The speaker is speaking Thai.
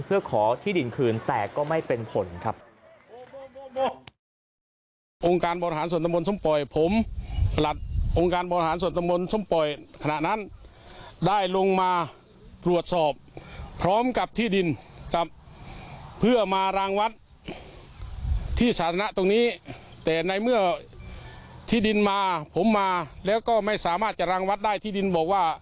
เพื่อขอที่ดินคืนแต่ก็ไม่เป็นผลครับ